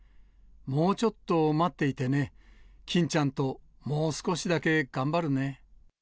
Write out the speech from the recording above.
もうちょっと待っていてね、キンちゃんともう少しだけ頑張るね。